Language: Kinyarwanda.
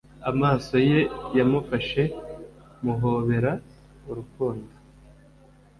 amaso ye yamufashe muhobera urukundo.